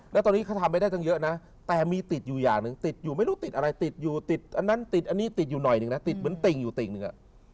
แล้วตอนนี้เขาทำไม่ได้ตั้งเยอะนะแต่มีติดอยู่อย่างหนึ่งติดอยู่ไม่รู้ติดอะไรติดอยู่ติดอันนั้นติดอันนี้ติดอยู่หน่อยหนึ่งนะติดเหมือนติ่งอยู่ติ่งหนึ่งอ่ะ